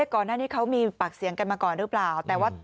ก่อนหน้านี้เขามีปากเสียงกันมาก่อนหรือเปล่าแต่ว่า